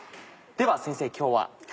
では先生今日は？